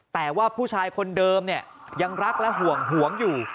แต่ว่าผู้ชายคนเดิมเนี่ยยังรักและห่วงหวงอยู่